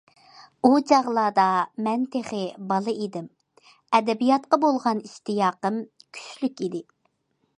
ئۇ چاغلاردا مەن تېخى بالا ئىدىم، ئەدەبىياتقا بولغان ئىشتىياقىم كۈچلۈك ئىدى.